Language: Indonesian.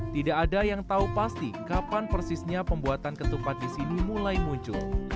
tidak ada yang tahu pasti kapan persisnya pembuatan ketupat di sini mulai muncul